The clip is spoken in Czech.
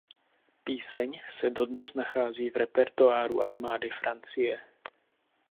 Píseň se dodnes nachází v repertoáru armády Francie.